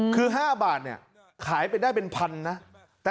คือ๕บาทเนี่ยขายไปได้เป็นพันนะ